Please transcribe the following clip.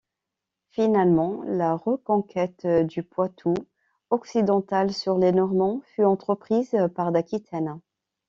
Finalement la reconquête du Poitou occidental sur les Normands fut entreprise par d’Aquitaine.